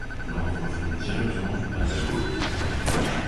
L'ordre venait directement du Pentagone.